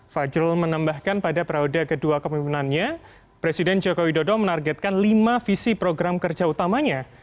fajrul menambahkan pada perauda kedua kemimpinannya presiden jokowi dodo menargetkan lima visi program kerja utamanya